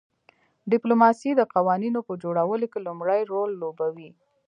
ډیپلوماسي د قوانینو په جوړولو کې لومړی رول لوبوي